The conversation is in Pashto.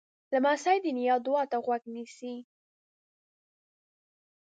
لمسی د نیا دعا ته غوږ نیسي.